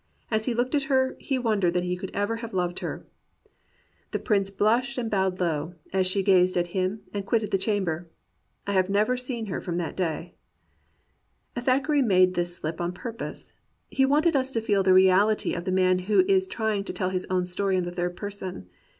As he looked at her, he wondered that he could ever have loved her. ... 124 THACKERAY AND REAL MEN The Prince blushed and bowed low, as she gazed at him and quitted the chamber. I have never seen her jromfi thai day.^^ Thackeray made this slip on purpose. He wanted us to feel the reaUty of the man who is trying to tell his own story in the third person.